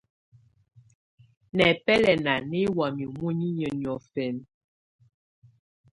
Nɛ̀bɛlɛnà nɛ̀ wamɛ̀á muninyǝ́ niɔ̀fɛna.